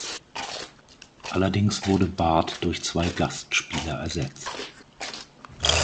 Allerdings wurde Bard durch zwei Gastspieler ersetzt.